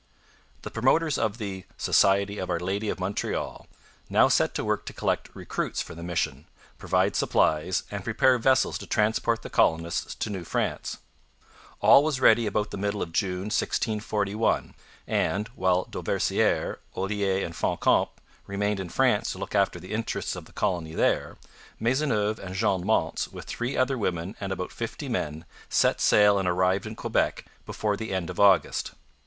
The promoters of the 'Society of Our Lady of Montreal' now set to work to collect recruits for the mission, provide supplies, and prepare vessels to transport the colonists to New France. All was ready about the middle of June 1641, and, while Dauversiere, Olier, and Fancamp remained in France to look after the interests of the colony there, Maisonneuve and Jeanne Mance, with three other women and about fifty men, set sail and arrived in Quebec before the end of August.